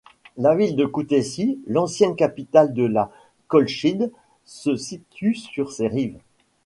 La ville de Koutaïssi, l'ancienne capitale de la Colchide, se situe sur ses rives.